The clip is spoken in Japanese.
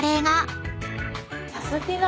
サスティな！